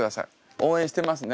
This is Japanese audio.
応援してますね